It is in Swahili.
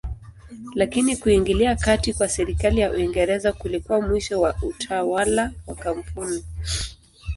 Lakini kuingilia kati kwa serikali ya Uingereza kulikuwa mwisho wa utawala wa kampuni.